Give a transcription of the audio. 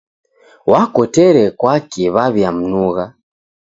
Wakotere kwaki w'aw'iamnugha.